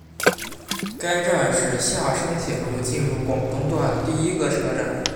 该站是厦深铁路进入广东段第一个车站。